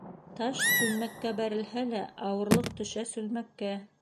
Таш сүлмәккә бәрелһә лә, ауырлыҡ төшә сүлмәккә